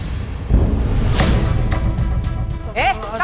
eh kalau aku kompor tak lap dananan